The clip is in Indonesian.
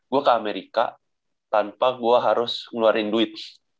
gue ke amerika tanpa gue harus ngeluarin duit